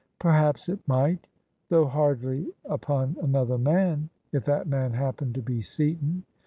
" Perhaps it mi^t: though hardly upon another man, if that man happened to be Seaton.